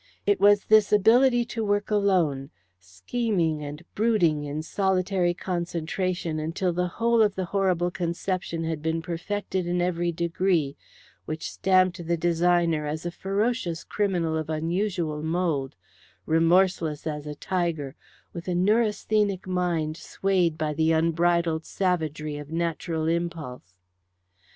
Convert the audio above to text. It was this ability to work alone, scheming and brooding in solitary concentration until the whole of the horrible conception had been perfected in every degree, which stamped the designer as a ferocious criminal of unusual mould, remorseless as a tiger, with a neurasthenic mind swayed by the unbridled savagery of natural impulse.